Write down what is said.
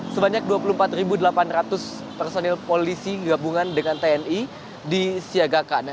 sebanyak dua puluh empat delapan ratus personil polisi gabungan dengan tni disiagakan